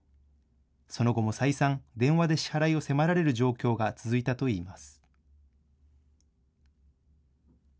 その後も再三、電話で支払いを迫られる状況が続いたといいます。